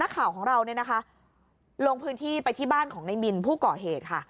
นักข่าวของเราลงพื้นที่ไปที่บ้านของนายมิลผู้ก่อเหตุค่ะ